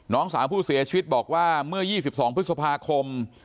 น้องสาวผู้เสียชีวิตบอกว่าเมื่อ๒๒พฤษภาคม